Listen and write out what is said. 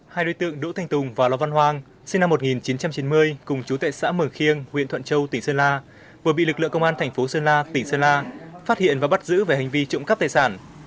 hai đối tượng đỗ thanh tùng và lò văn hoang sinh năm một nghìn chín trăm chín mươi cùng chú tệ xã mường khiêng huyện thuận châu tỉnh sơn la vừa bị lực lượng công an thành phố sơn la tỉnh sơn la phát hiện và bắt giữ về hành vi trộm cắp tài sản